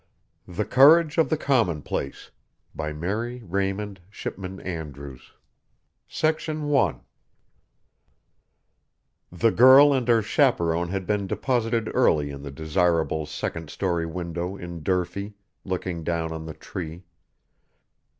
The Courage of the Commonplace by Mary Raymond Shipman Andrews The girl and her chaperon had been deposited early in the desirable second story window in Durfee, looking down on the tree.